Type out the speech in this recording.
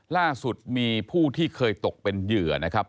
ล่าสุดมีผู้ที่เคยตกเป็นเหยื่อนะครับ